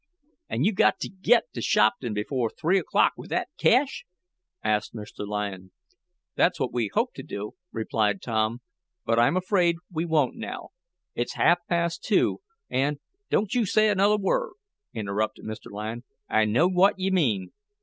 "An' you've got t' git t' Shopton before three o'clock with thet cash?" asked Mr. Lyon. "That's what we hoped to do," replied Tom "but I'm afraid we won't now. It's half past two, and " "Don't say another word," interrupted Mr. Lyon. "I know what ye mean.